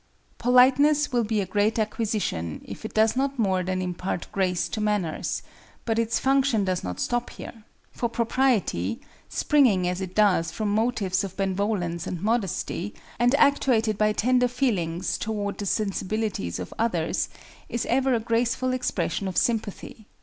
Politeness will be a great acquisition, if it does no more than impart grace to manners; but its function does not stop here. For propriety, springing as it does from motives of benevolence and modesty, and actuated by tender feelings toward the sensibilities of others, is ever a graceful expression of sympathy.